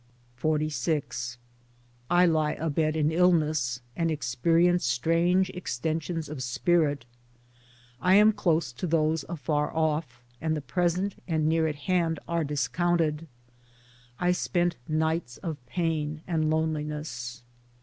XLVI I lie abed in illness, and experience strange extensions of spirit. I am close to those afar off, and the present and near at hand are discounted. I spend nights of pain and loneliness.